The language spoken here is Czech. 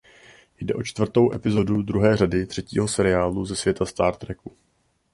Jde o čtvrtou epizodu druhé řady třetího seriálu ze světa Star Treku.